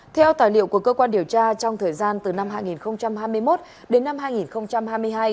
theo tài liệu của cơ quan điều tra trong thời gian từ năm hai nghìn hai mươi một đến năm hai nghìn hai mươi hai